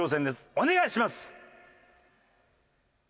お願いします！